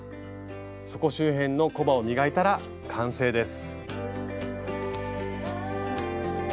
底周辺のコバを磨いたら完成です。